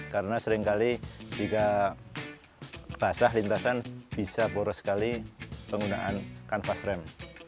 karena seringkali jika basah lintasan bisa boros sekali penggunaan kanvas rem